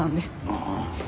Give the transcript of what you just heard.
ああ。